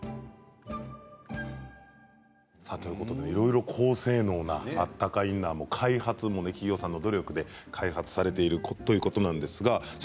いろいろ高性能なあったかインナーの開発も企業さんの努力で開発されているということです。